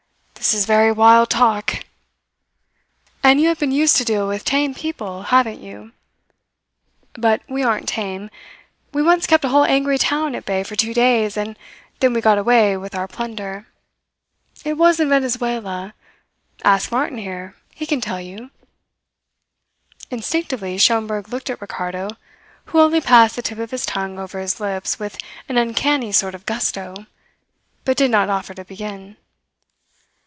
"This is very wild talk!" "And you have been used to deal with tame people, haven't you? But we aren't tame. We once kept a whole angry town at bay for two days, and then we got away with our plunder. It was in Venezuela. Ask Martin here he can tell you." Instinctively Schomberg looked at Ricardo, who only passed the tip of his tongue over his lips with an uncanny sort of gusto, but did not offer to begin.